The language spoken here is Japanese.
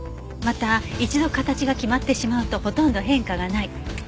また一度形が決まってしまうとほとんど変化がない。